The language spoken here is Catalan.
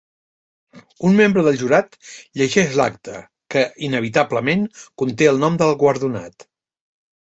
Un membre del jurat llegeix l'acta, que inevitablement conté el nom del guardonat.